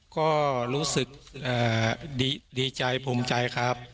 ก็รู้สึกดีใจภูมิใจครับ